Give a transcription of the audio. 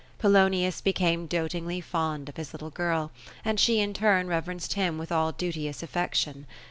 Polonins became dotingly fond of his little girl ; and she in turn reverenced him with all duteous affection.